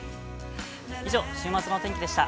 以上、週末のお天気でした。